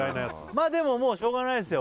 まあでももうしょうがないですよ